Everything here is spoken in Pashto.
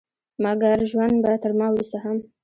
مګر ژوند به تر ما وروسته هم